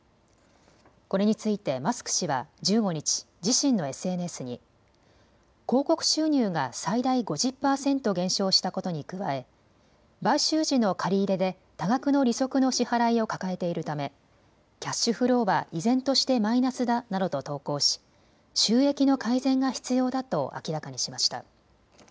これについてマスク氏は１５日、自身のＳＮＳに広告収入が最大５０％減少したことに加え買収時の借り入れで多額の利息の支払いを抱えているためキャッシュフローは依然としてマイナスだなどと投稿し収益の改善が必要だと明らかにしました。